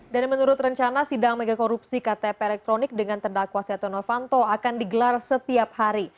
dan menurut rencana sidang mega korupsi ktp elektronik dengan terdakwa seteh novanto akan digelar setiap hari